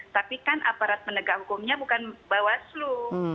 tapi kan aparat penegak hukumnya bukan bawah slu